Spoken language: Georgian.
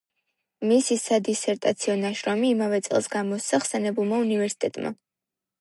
მისი სადისერტაციო ნაშრომი იმავე წელს გამოსცა ხსენებულმა უნივერსიტეტმა.